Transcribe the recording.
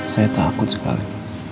saya takut sekali